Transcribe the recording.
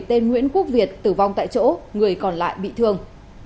tên nguyễn quốc việt tử vong tại chỗ người còn lại bị thương